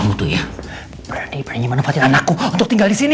kau itu ya berani berani manfaatin anakku untuk tinggal di sini